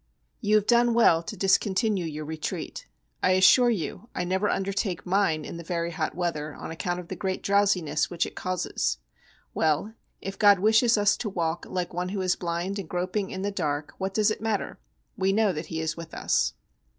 You have done well to discontinue your retreat. I assure you I never undertake mine in the very hot weather on account of the great drowsiness which it causes. Well, if God wishes us to walk like one who is blind and groping in the dark, what does it matter? We know that He is with us.